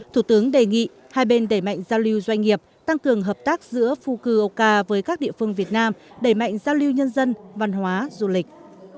thủ tướng đề nghị hai bên đẩy mạnh giao lưu doanh nghiệp tăng cường hợp tác giữa phukuoka với các địa phương việt nam đẩy mạnh giao lưu nhân dân văn hóa du lịch